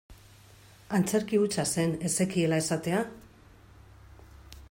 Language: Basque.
Antzerki hutsa zen ez zekiela esatea?